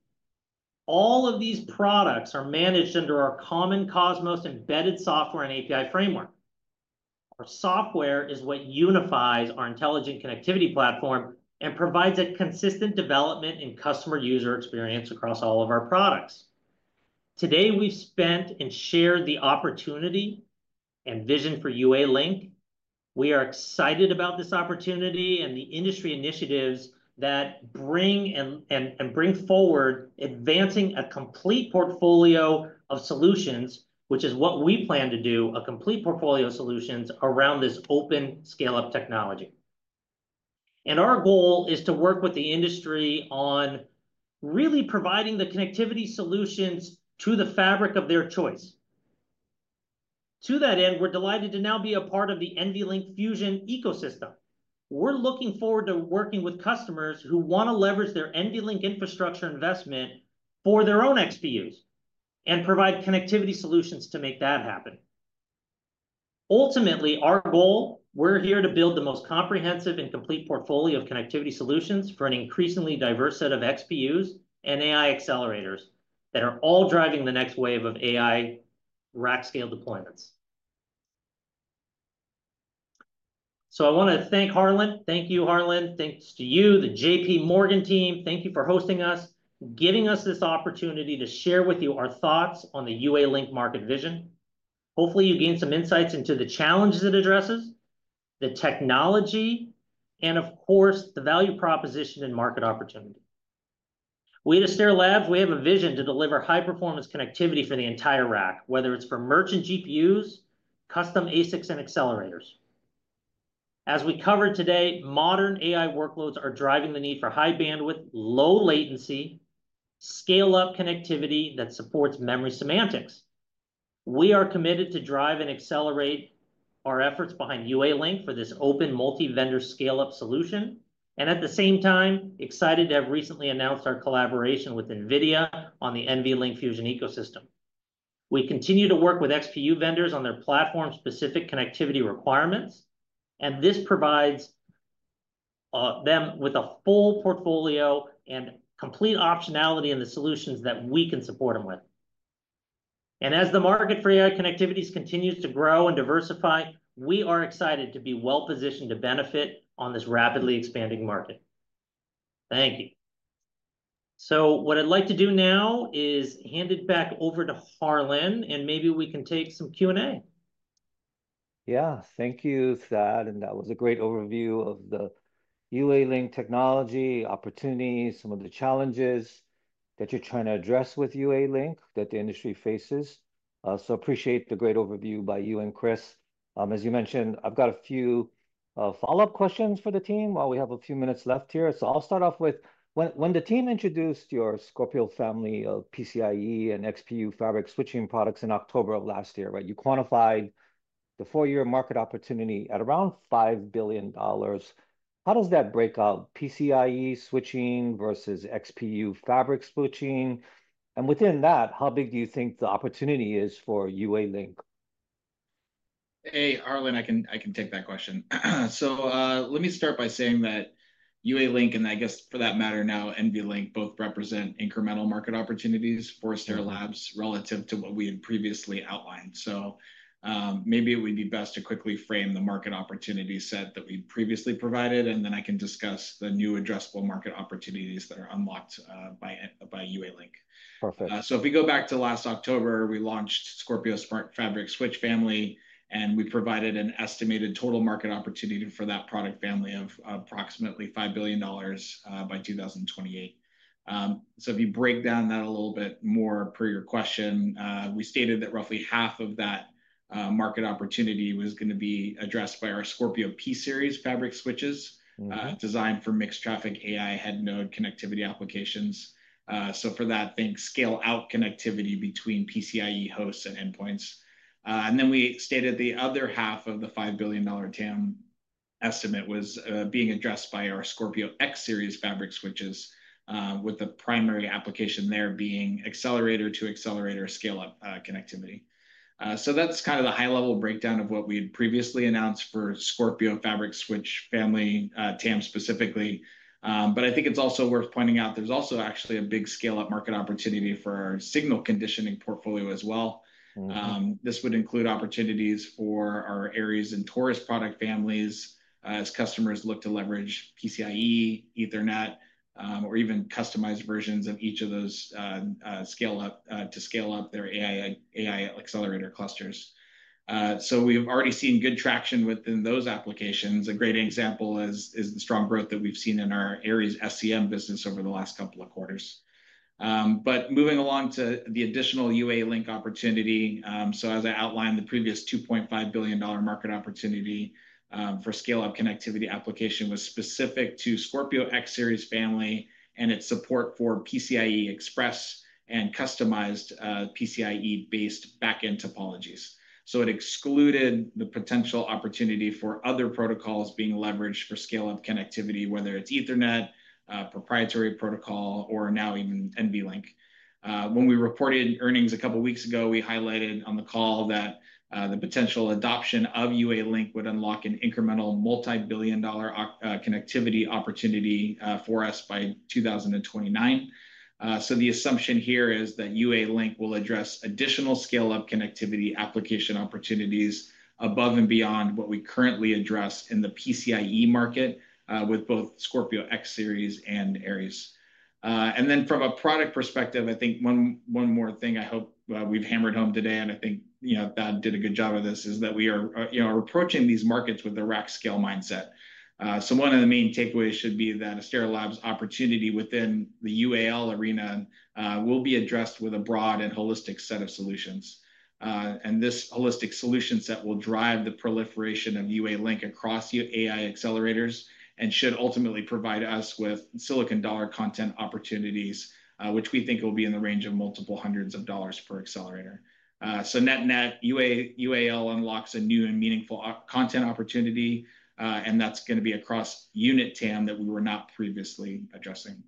All of these products are managed under our common Cosmos embedded software and API framework. Our software is what unifies our intelligent connectivity platform and provides a consistent development and customer user experience across all of our products. Today, we've spent and shared the opportunity and vision for UALink. We are excited about this opportunity and the industry initiatives that bring forward advancing a complete portfolio of solutions, which is what we plan to do, a complete portfolio of solutions around this open scale-up technology. Our goal is to work with the industry on really providing the connectivity solutions to the fabric of their choice. To that end, we're delighted to now be a part of the NVLink Fusion ecosystem. We're looking forward to working with customers who want to leverage their NVLink infrastructure investment for their own XPUs and provide connectivity solutions to make that happen. Ultimately, our goal, we're here to build the most comprehensive and complete portfolio of connectivity solutions for an increasingly diverse set of XPUs and AI accelerators that are all driving the next wave of AI rack scale deployments. I want to thank Harlan. Thank you, Harlan. Thanks to you, the JP Morgan team. Thank you for hosting us, giving us this opportunity to share with you our thoughts on the UALink market vision. Hopefully, you gain some insights into the challenges it addresses, the technology, and of course, the value proposition and market opportunity. We at Astera Labs, we have a vision to deliver high-performance connectivity for the entire rack, whether it's for merchant GPUs, custom ASICs, and accelerators. As we covered today, modern AI workloads are driving the need for high bandwidth, low latency, scale-up connectivity that supports memory semantics. We are committed to drive and accelerate our efforts behind UALink for this open multi-vendor scale-up solution. At the same time, excited to have recently announced our collaboration with NVIDIA on the NVLink Fusion ecosystem. We continue to work with XPU vendors on their platform-specific connectivity requirements, and this provides them with a full portfolio and complete optionality in the solutions that we can support them with. As the market for AI connectivities continues to grow and diversify, we are excited to be well-positioned to benefit on this rapidly expanding market. Thank you. What I'd like to do now is hand it back over to Harlan, and maybe we can take some Q&A. Yeah, thank you, Thad. That was a great overview of the UALink technology opportunity, some of the challenges that you're trying to address with UALink that the industry faces. Appreciate the great overview by you and Chris. As you mentioned, I've got a few follow-up questions for the team while we have a few minutes left here. I'll start off with when the team introduced your Scorpio family of PCIe and XPU fabric switching products in October of last year, right? You quantified the four-year market opportunity at around $5 billion. How does that break out? PCIe switching versus XPU fabric switching? And within that, how big do you think the opportunity is for UALink? Hey, Harlan, I can take that question. Let me start by saying that UALink, and I guess for that matter now, NVLink both represent incremental market opportunities for Astera Labs relative to what we had previously outlined. Maybe it would be best to quickly frame the market opportunity set that we previously provided, and then I can discuss the new addressable market opportunities that are unlocked by UALink. Perfect. If we go back to last October, we launched Scorpio Smart Fabric Switch Family, and we provided an estimated total market opportunity for that product family of approximately $5 billion by 2028. If you break down that a little bit more per your question, we stated that roughly half of that market opportunity was going to be addressed by our Scorpio P Series fabric switches designed for mixed traffic AI head node connectivity applications. For that, think scale-out connectivity between PCIe hosts and endpoints. We stated the other half of the $5 billion TAM estimate was being addressed by our Scorpio X Series fabric switches, with the primary application there being accelerator to accelerator scale-up connectivity. That is kind of the high-level breakdown of what we had previously announced for Scorpio Fabric Switch Family TAM specifically. I think it is also worth pointing out there is also actually a big scale-up market opportunity for our signal conditioning portfolio as well. This would include opportunities for our Aries and Taurus product families as customers look to leverage PCIe, Ethernet, or even customized versions of each of those to scale-up their AI accelerator clusters. We've already seen good traction within those applications. A great example is the strong growth that we've seen in our Aries SCM business over the last couple of quarters. Moving along to the additional UALink opportunity, as I outlined, the previous $2.5 billion market opportunity for scale-up connectivity application was specific to Scorpio X Series family and its support for PCIe Express and customized PCIe-based backend topologies. It excluded the potential opportunity for other protocols being leveraged for scale-up connectivity, whether it's Ethernet, proprietary protocol, or now even NVLink. When we reported earnings a couple of weeks ago, we highlighted on the call that the potential adoption of UALink would unlock an incremental multi-billion dollar connectivity opportunity for us by 2029. The assumption here is that UALink will address additional scale-up connectivity application opportunities above and beyond what we currently address in the PCIe market with both Scorpio X Series and Aries. From a product perspective, I think one more thing I hope we have hammered home today, and I think that did a good job of this, is that we are approaching these markets with a rack scale mindset. One of the main takeaways should be that Astera Labs' opportunity within the UALink arena will be addressed with a broad and holistic set of solutions. This holistic solution set will drive the proliferation of UALink across AI accelerators and should ultimately provide us with silicon dollar content opportunities, which we think will be in the range of multiple hundreds of dollars per accelerator. Net net, UAL unlocks a new and meaningful content opportunity, and that's going to be across unit TAM that we were not previously addressing.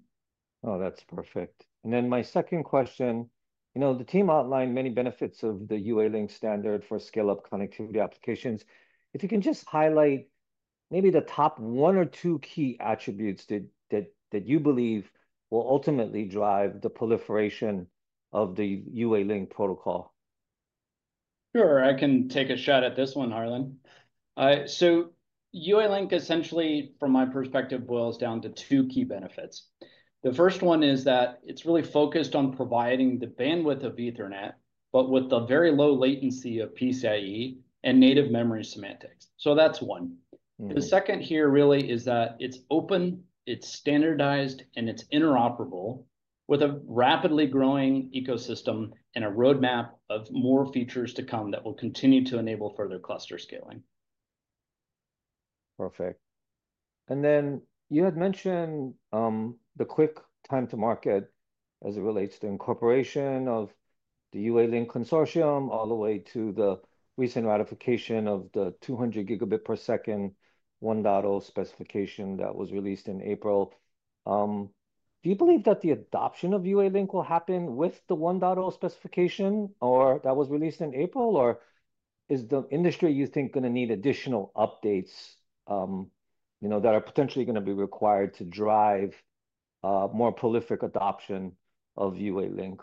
Oh, that's perfect. My second question, you know the team outlined many benefits of the UALink standard for scale-up connectivity applications. If you can just highlight maybe the top one or two key attributes that you believe will ultimately drive the proliferation of the UALink protocol. Sure, I can take a shot at this one, Harlan. UALink, essentially, from my perspective, boils down to two key benefits. The first one is that it's really focused on providing the bandwidth of Ethernet, but with the very low latency of PCIe and native memory semantics. That's one. The second here really is that it's open, it's standardized, and it's interoperable with a rapidly growing ecosystem and a roadmap of more features to come that will continue to enable further cluster scaling. Perfect. You had mentioned the quick time to market as it relates to incorporation of the UALink consortium all the way to the recent ratification of the 200 Gb per second 1.0 specification that was released in April. Do you believe that the adoption of UALink will happen with the 1.0 specification that was released in April, or is the industry, you think, going to need additional updates that are potentially going to be required to drive more prolific adoption of UALink?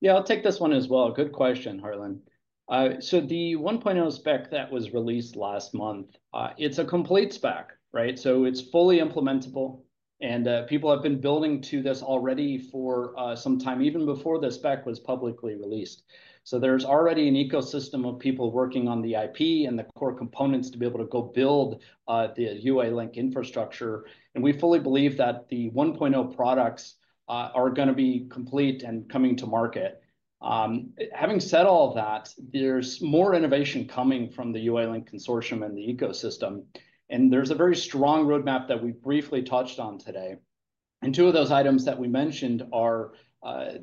Yeah, I'll take this one as well. Good question, Harlan. The 1.0 spec that was released last month, it's a complete spec, right? It's fully implementable, and people have been building to this already for some time, even before the spec was publicly released. There's already an ecosystem of people working on the IP and the core components to be able to go build the UALink infrastructure. We fully believe that the 1.0 products are going to be complete and coming to market. Having said all that, there's more innovation coming from the UALink consortium and the ecosystem. There's a very strong roadmap that we briefly touched on today. Two of those items that we mentioned are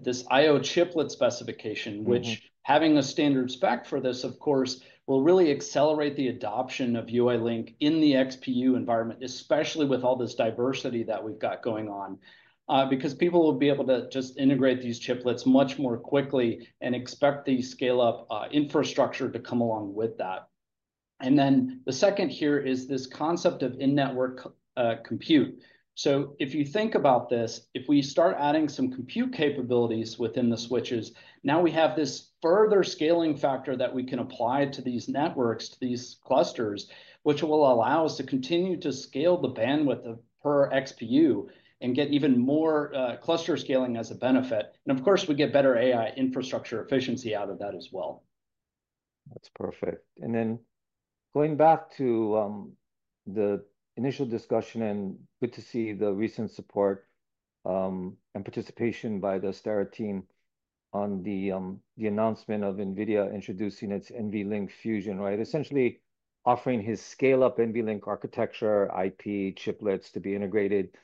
this I/O chiplet specification, which, having a standard spec for this, of course, will really accelerate the adoption of UALink in the XPU environment, especially with all this diversity that we have going on, because people will be able to just integrate these chiplets much more quickly and expect the scale-up infrastructure to come along with that. The second here is this concept of in-network compute. If you think about this, if we start adding some compute capabilities within the switches, now we have this further scaling factor that we can apply to these networks, to these clusters, which will allow us to continue to scale the bandwidth per XPU and get even more cluster scaling as a benefit. Of course, we get better AI infrastructure efficiency out of that as well. That is perfect. Going back to the initial discussion, good to see the recent support and participation by the Astera team on the announcement of NVIDIA introducing its NVLink Fusion, right? Essentially offering its scale-up NVLink architecture, I/O chiplets to be integrated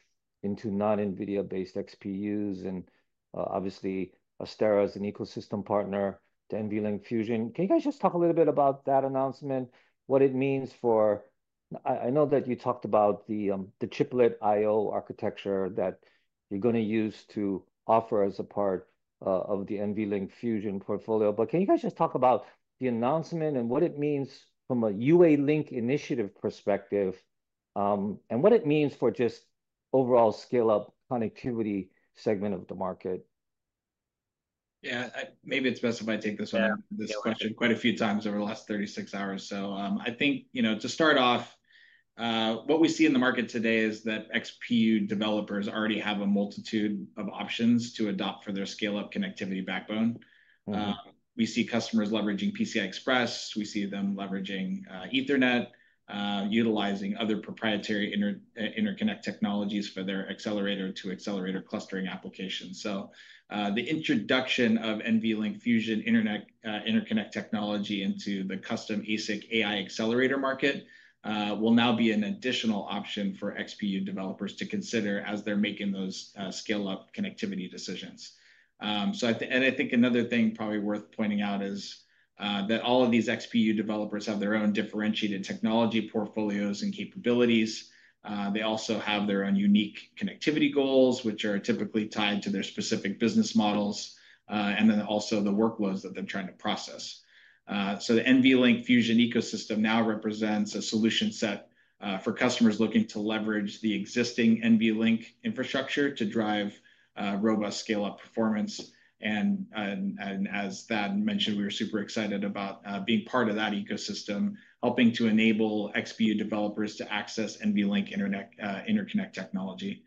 into non-NVIDIA-based XPUs, and obviously, Astera is an ecosystem partner to NVLink Fusion. Can you guys just talk a little bit about that announcement, what it means for—I know that you talked about the chiplet I/O architecture that you're going to use to offer as a part of the NVLink Fusion portfolio, but can you guys just talk about the announcement and what it means from a UALink initiative perspective and what it means for just overall scale-up connectivity segment of the market? Yeah, maybe it's best if I take this question. Quite a few times over the last 36 hours. So I think, you know, to start off, what we see in the market today is that XPU developers already have a multitude of options to adopt for their scale-up connectivity backbone. We see customers leveraging PCIe. We see them leveraging Ethernet, utilizing other proprietary interconnect technologies for their accelerator to accelerator clustering applications. The introduction of NVLink Fusion interconnect technology into the custom ASIC AI accelerator market will now be an additional option for XPU developers to consider as they're making those scale-up connectivity decisions. At the end, I think another thing probably worth pointing out is that all of these XPU developers have their own differentiated technology portfolios and capabilities. They also have their own unique connectivity goals, which are typically tied to their specific business models, and then also the workloads that they're trying to process. The NVLink Fusion ecosystem now represents a solution set for customers looking to leverage the existing NVLink infrastructure to drive robust scale-up performance. As Thad mentioned, we were super excited about being part of that ecosystem, helping to enable XPU developers to access NVLink interconnect technology.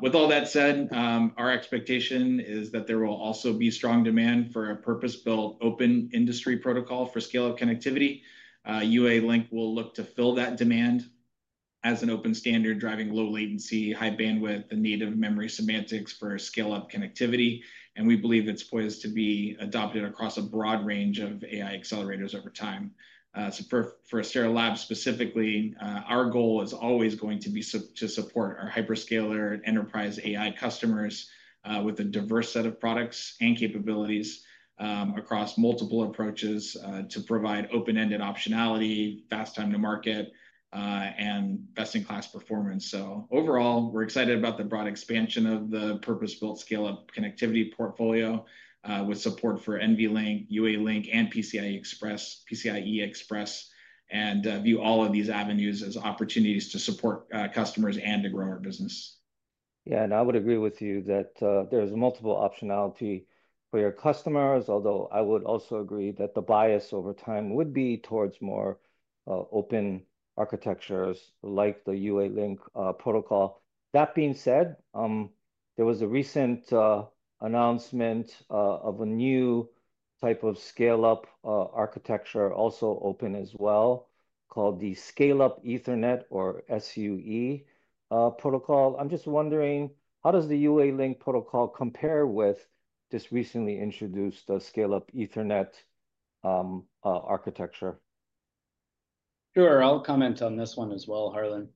With all that said, our expectation is that there will also be strong demand for a purpose-built open industry protocol for scale-up connectivity. UALink will look to fill that demand as an open standard driving low latency, high bandwidth, and native memory semantics for scale-up connectivity. We believe it's poised to be adopted across a broad range of AI accelerators over time. For Astera Labs specifically, our goal is always going to be to support our hyperscaler enterprise AI customers with a diverse set of products and capabilities across multiple approaches to provide open-ended optionality, fast time to market, and best-in-class performance. Overall, we're excited about the broad expansion of the purpose-built scale-up connectivity portfolio with support for NVLink, UALink, and PCIe Express, and view all of these avenues as opportunities to support customers and to grow our business. Yeah, and I would agree with you that there is multiple optionality for your customers, although I would also agree that the bias over time would be towards more open architectures like the UALink protocol. That being said, there was a recent announcement of a new type of scale-up architecture also open as well called the Scale-up Ethernet or SUE protocol. I'm just wondering, how does the UALink protocol compare with this recently introduced scale-up Ethernet architecture? Sure, I'll comment on this one as well, Harlan.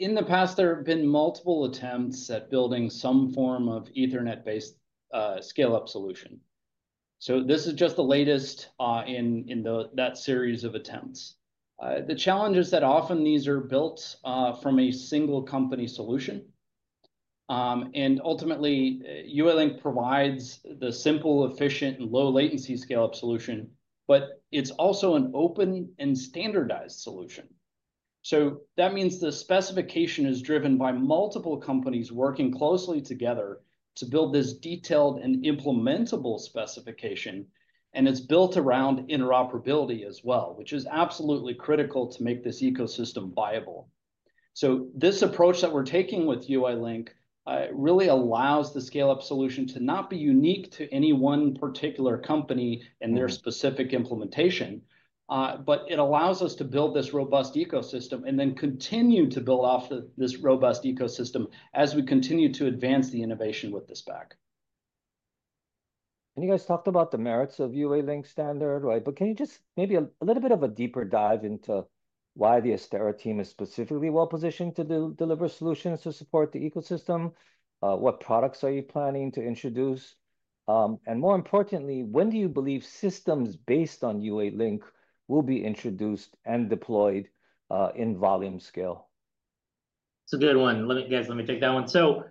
In the past, there have been multiple attempts at building some form of Ethernet-based scale-up solution. This is just the latest in that series of attempts. The challenge is that often these are built from a single company solution. Ultimately, UALink provides the simple, efficient, and low-latency scale-up solution, but it's also an open and standardized solution. That means the specification is driven by multiple companies working closely together to build this detailed and implementable specification. It's built around interoperability as well, which is absolutely critical to make this ecosystem viable. This approach that we're taking with UALink really allows the scale-up solution to not be unique to any one particular company and their specific implementation, but it allows us to build this robust ecosystem and then continue to build off this robust ecosystem as we continue to advance the innovation with the spec. You guys talked about the merits of UALink standard, right? Can you just maybe a little bit of a deeper dive into why the Astera team is specifically well positioned to deliver solutions to support the ecosystem? What products are you planning to introduce? More importantly, when do you believe systems based on UALink will be introduced and deployed in volume scale? That's a good one. Let me take that one.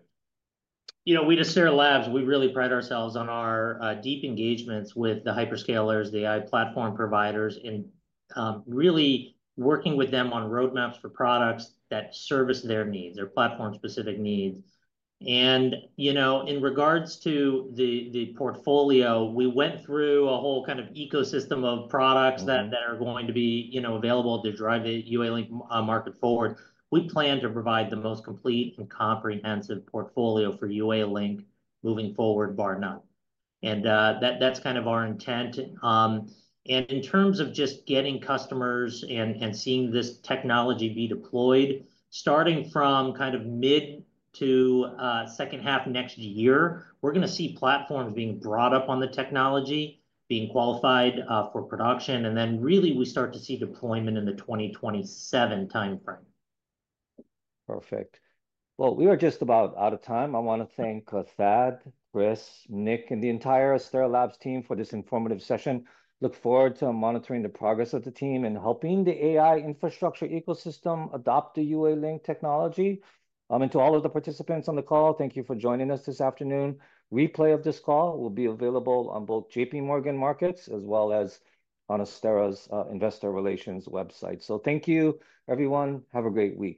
You know we at Astera Labs, we really pride ourselves on our deep engagements with the hyperscalers, the AI platform providers, and really working with them on roadmaps for products that service their needs, their platform-specific needs. You know in regards to the portfolio, we went through a whole kind of ecosystem of products that are going to be available to drive the UALink market forward. We plan to provide the most complete and comprehensive portfolio for UALink moving forward, bar none. That is kind of our intent. In terms of just getting customers and seeing this technology be deployed, starting from kind of mid to second half next year, we are going to see platforms being brought up on the technology, being qualified for production, and then really we start to see deployment in the 2027 timeframe. Perfect. We are just about out of time. I want to thank Thad, Chris, Nick, and the entire Astera Labs team for this informative session. I look forward to monitoring the progress of the team and helping the AI infrastructure ecosystem adopt the UALink technology. To all of the participants on the call, thank you for joining us this afternoon. Replay of this call will be available on both JP Morgan Markets as well as on Astera's investor relations website. Thank you, everyone. Have a great week.